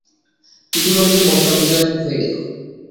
ইতিমধ্যে মক্কা বিজয় হয়ে গেল।